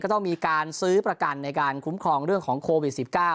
ต้องมีการซื้อประกันในการคุ้มครองเรื่องของโควิด๑๙